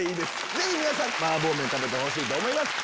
ぜひ皆さん麻婆麺食べてほしいと思います。